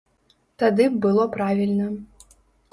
Тады б было правільна.